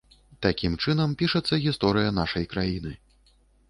Такім чынам пішацца гісторыя нашай краіны.